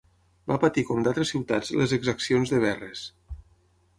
Va patir com d'altres ciutats les exaccions de Verres.